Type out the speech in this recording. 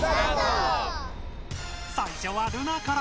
最初はルナから！